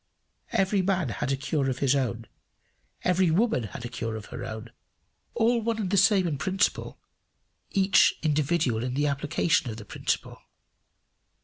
Every man had a cure of his own; every woman had a cure of her own all one and the same in principle, each individual in the application of the principle.